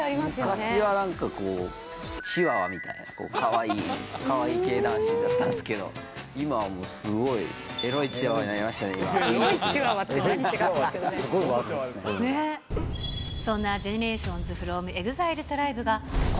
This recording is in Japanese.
昔はなんかチワワみたいな、こう、かわいい、かわいい系男子だったんですけど、今はもう、すごいエロいチワワになりましたね、今。